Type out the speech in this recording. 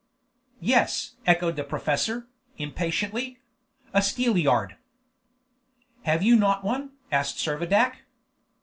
"Yes!" echoed the professor, impatiently; "a steelyard." "Have you not one?" asked Servadac.